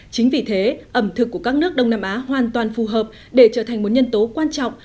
chính vì thế ẩm thực của các nước đông nam á hoàn toàn phù hợp để trở thành một nhân tố quan trọng